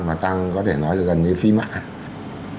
mà tăng có thể nói là gần như phi mạng